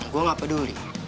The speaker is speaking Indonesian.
gue gak peduli